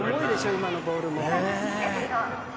今のボールも。